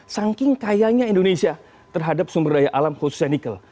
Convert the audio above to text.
saking kayanya indonesia terhadap sumber daya alam khususnya nikel